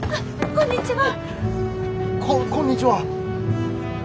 ここんにちは。